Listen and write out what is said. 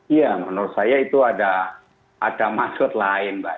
iya menurut saya itu ada maksud lain mbak